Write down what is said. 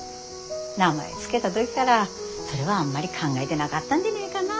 名前付けだ時からそれはあんまり考えでながったんでねえがなぁ。